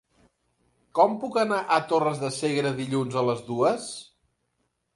Com puc anar a Torres de Segre dilluns a les dues?